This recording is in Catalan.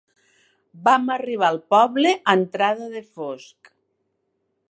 Vam arribar al poble a entrada de fosc.